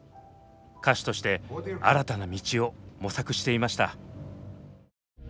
歌手として新たな道を模索していました。